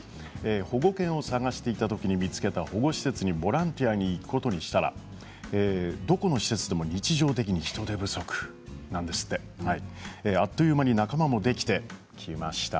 保護犬を探していたところ見つけた保護施設にボランティアに行くことにしたらどこの施設でも日常的に人手不足なんですってあっという間に仲間もできました。